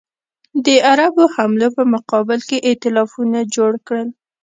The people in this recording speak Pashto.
د عربو حملو په مقابل کې ایتلافونه جوړ کړل.